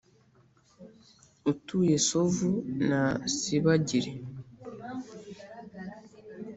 utuye sovu na sibagire.